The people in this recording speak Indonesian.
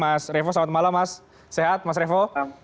mas revo selamat malam mas sehat mas revo